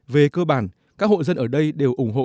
về cơ bản các hộ dân ở đây đều ủng hộ